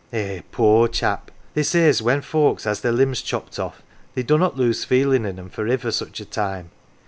Eh, poor chap ! They say as when folks has their limbs chopped off they dunnot lose feelin' in 'em for iver such a time.